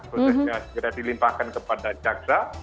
prosesnya segera dilimpahkan kepada jaksa